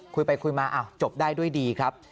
คุยไปคุยมาจบได้ด้วยดีครับ